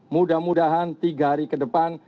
mudah mudahan tiga hari ke depan